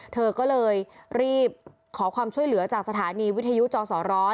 เธอก็เลยรีบขอความช่วยเหลือจากสถานีวิทยุจสร้อย